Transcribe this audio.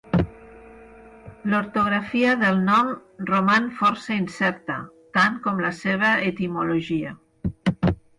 L'ortografia del nom roman força incerta, tant com la seva etimologia.